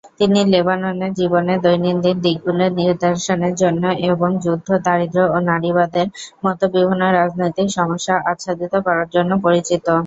তিনি লেবাননের জীবনের দৈনন্দিন দিকগুলি প্রদর্শনের জন্য এবং যুদ্ধ, দারিদ্র্য ও নারীবাদের মতো বিভিন্ন রাজনৈতিক সমস্যা আচ্ছাদিত করার জন্য পরিচিত।